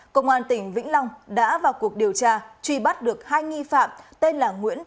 công an tỉnh vĩnh long đã vào cuộc điều tra truy bắt được hai nghi phạm tên là nguyễn